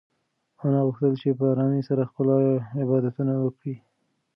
انا غوښتل چې په ارامۍ سره خپل عبادتونه وکړي.